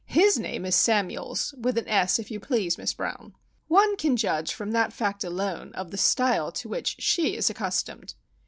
His name is Samuels,—with an s, if you please, Miss Brown. One can judge from that fact alone of the style to which she is accustomed."